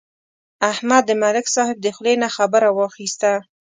احمد د ملک صاحب د خولې نه خبره واخیسته.